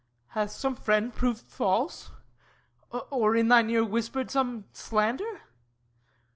Hath some friend proved false? Or in thine ear Whispered some slander?